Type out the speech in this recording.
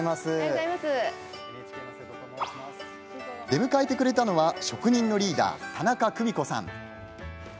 出迎えてくれたのは職人のリーダー田中久美子さん。